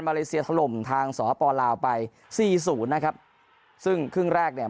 มาเลเซียถล่มทางสภปราวไป๔๐นะครับซึ่งครึ่งแรกเนี่ย